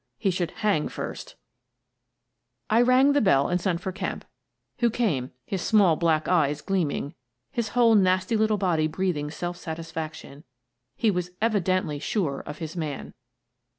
He should hang first I rang the bell and sent for Kemp, who came, his small black eyes gleaming, his whole nasty little body breathing self satisfaction: he was evidently sure of his man.